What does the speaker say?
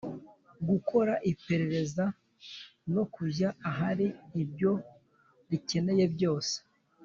Gukora iperereza no kujya ahari ibyo rikeneye byose